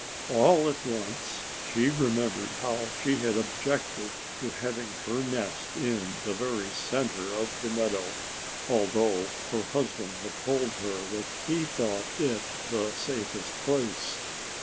All at once she remembered how she had objected to having her nest in the very center of the meadow, although her husband had told her that he thought it the safest place.